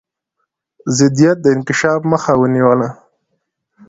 ضدیت د انکشاف مخه ونیوله.